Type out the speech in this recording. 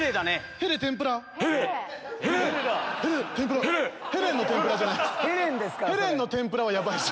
ヘレンの天ぷらはヤバいです。